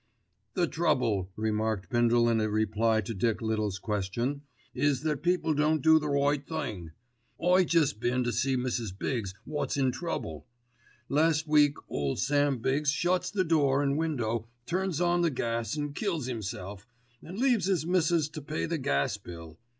"The trouble," remarked Bindle in reply to Dick Little's question, "is that people won't do the right thing. I jest been to see Mrs. Biggs wot's in trouble. Last week ole Sam Biggs shuts the door an' window, turns on the gas, an' kills 'imself, an' leaves 'is missus to pay the gas bill.